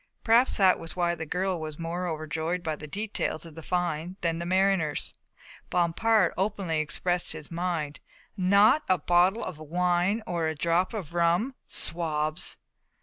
Perhaps that was why the girl was more overjoyed by the details of the find than the mariners. Bompard openly expressed his mind. "Not a bottle of wine or a drop of rum, swabs."